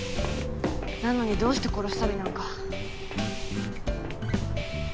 なのにどうして殺したりなんか。